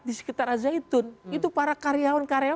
di sekitar azaidun itu para karyawan karyawan